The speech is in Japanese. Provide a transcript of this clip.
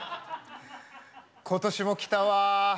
今年も来たわ。